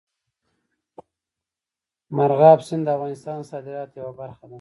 مورغاب سیند د افغانستان د صادراتو یوه برخه ده.